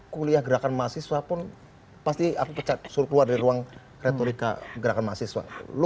satu kuliah gerakan masih padun pasti aku pecat surut keluar dari ruang retorika gerakan mahasiswa lu